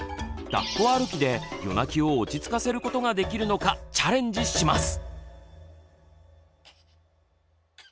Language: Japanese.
だっこ歩きで夜泣きを落ち着かせることができるのかチャレンジします。